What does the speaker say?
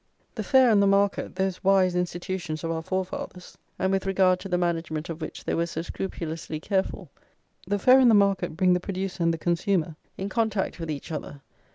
The fair and the market, those wise institutions of our forefathers, and with regard to the management of which they were so scrupulously careful; the fair and the market bring the producer and the consumer in contact with each other.